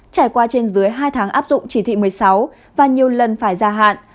trải qua trên dưới hai tháng áp dụng chỉ thị một mươi sáu và nhiều lần phải gia hạn